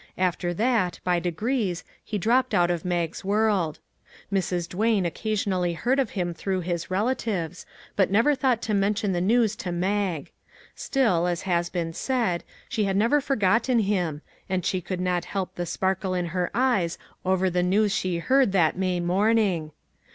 After that, by degrees, he dropped out of Mag's world. Mrs. Duane occasionally heard of him through his relatives, but never thought to mention the news to Mag. Still, as has been said, she had never forgotten him, and she could not help the sparkle in her eyes over the news she heard that May morn ing.